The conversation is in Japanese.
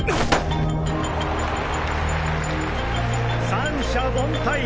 三者凡退！